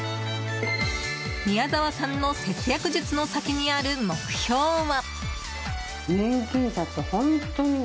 宮澤さんの節約術の先にある目標は。